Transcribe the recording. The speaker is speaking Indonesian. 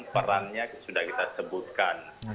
perannya sudah kita sebutkan